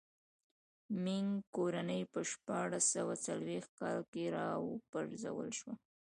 مینګ کورنۍ په شپاړس سوه څلوېښت کاله کې را و پرځول شوه.